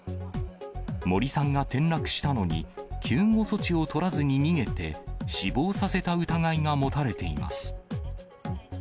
森さんが転落したのに、救護措置を取らずに逃げて、死亡させた疑いが持たれています。